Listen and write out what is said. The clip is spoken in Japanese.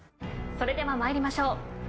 それでは参りましょう。